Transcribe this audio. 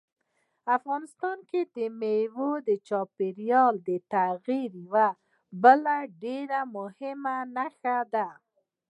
افغانستان کې مېوې د چاپېریال د تغیر یوه بله ډېره مهمه نښه ده.